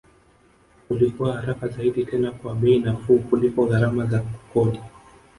Ulikuwa haraka zaidi tena kwa bei nafuu kuliko gharama za kukodi